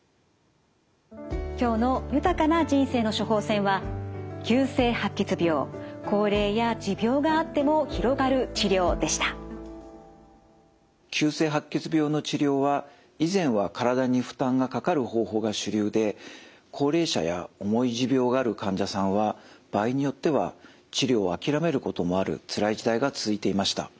今日の「豊かな人生の処方せん」は急性白血病の治療は以前は体に負担がかかる方法が主流で高齢者や重い持病がある患者さんは場合によっては治療を諦めることもあるつらい時代が続いていました。